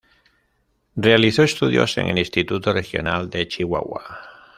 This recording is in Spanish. Realizó estudios en el Instituto Regional de Chihuahua.